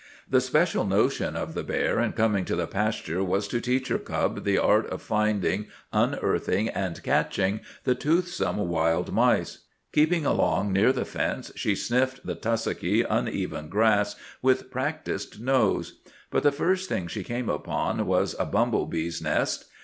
The special notion of the bear in coming to the pasture was to teach her cub the art of finding, unearthing, and catching the toothsome wild mice. Keeping along near the fence, she sniffed the tussocky, uneven grass with practised nose. But the first thing she came upon was a bumble bees' nest.